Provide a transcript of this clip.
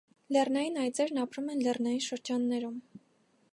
Լեռնային այծերն ապրում են լեռնային շրջաններում։